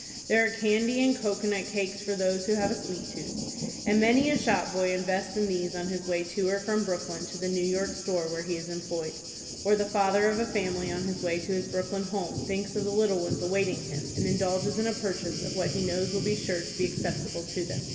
There are candy and cocoanut cakes for those who have a sweet tooth, and many a shop boy invests in these on his way to or from Brooklyn to the New York store where he is employed; or the father of a family, on his way to his Brooklyn home, thinks of the little ones awaiting him, and indulges in a purchase of what he knows will be sure to be acceptable to them.